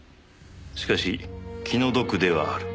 「しかし気の毒ではある」